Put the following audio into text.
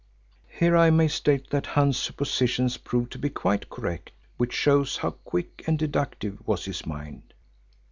Here I may state that Hans' suppositions proved to be quite correct, which shows how quick and deductive was his mind.